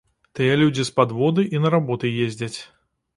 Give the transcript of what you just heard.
Тыя людзі з падводы і на работы ездзяць.